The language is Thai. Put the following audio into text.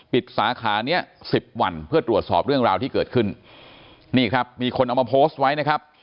สาขาเนี้ยสิบวันเพื่อตรวจสอบเรื่องราวที่เกิดขึ้นนี่ครับมีคนเอามาโพสต์ไว้นะครับ